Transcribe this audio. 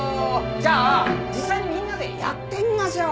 じゃあ実際にみんなでやってみましょう。